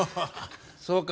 そうか。